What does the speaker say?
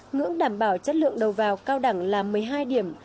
ngưỡng đảm bảo chất lượng đầu vào cao đẳng là một mươi hai điểm